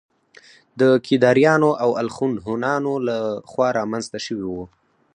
د کيداريانو او الخون هونانو له خوا رامنځته شوي وو